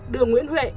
đường nguyễn huệ